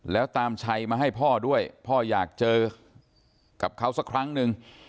แล้วตามชัยมาให้พ่อด้วยพ่ออยากเจอกับเขาสักครั้งหนึ่ง